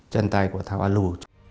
chân tay của thảo hoan lũ